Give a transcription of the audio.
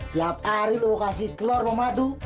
tiap hari lu kasih telur sama madu